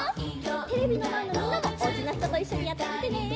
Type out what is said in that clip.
テレビのまえのみんなもおうちのひとといっしょにやってみてね！